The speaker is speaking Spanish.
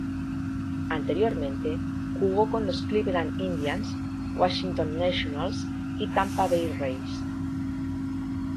Anteriormente jugó con los Cleveland Indians, Washington Nationals y Tampa Bay Rays.